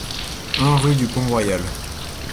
un rue du Pont Royal